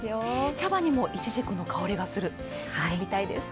茶葉にもいちじくの香りがする、飲みたいです。